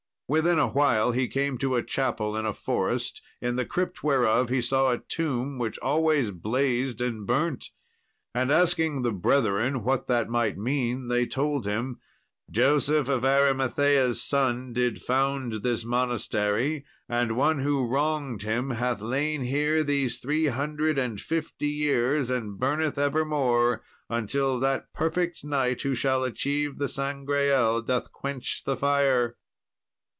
Within a while he came to a chapel in a forest, in the crypt whereof he saw a tomb which always blazed and burnt. And asking the brethren what that might mean, they told him, "Joseph of Arimathea's son did found this monastery, and one who wronged him hath lain here these three hundred and fifty years and burneth evermore, until that perfect knight who shall achieve the Sangreal doth quench the fire."